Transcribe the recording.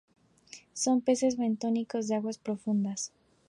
Son peces bentónicos de aguas profundas.